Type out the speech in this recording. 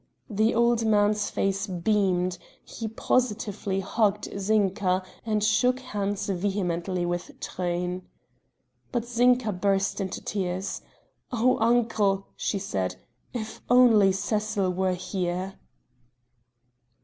The old man's face beamed he positively hugged Zinka and shook hands vehemently with Truyn. But Zinka burst into tears : "Oh, uncle," she said, "if only Cecil were here!"